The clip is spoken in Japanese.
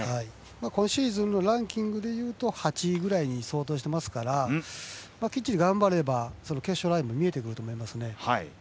今シーズンのランキングで言うと８位ぐらいに相当していますから、頑張れば決勝ラインも見えてくると思います。